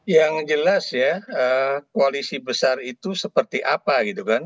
yang jelas ya koalisi besar itu seperti apa gitu kan